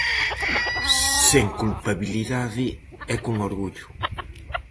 Sen culpabilidade e con orgullo.